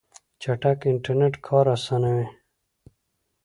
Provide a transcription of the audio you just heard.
چټک انټرنیټ کار اسانوي.